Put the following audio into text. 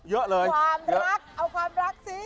เยอะเลยความรักเอาความรักสิ